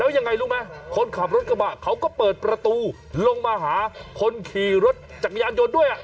ยังไงรู้ไหมคนขับรถกระบะเขาก็เปิดประตูลงมาหาคนขี่รถจักรยานยนต์ด้วย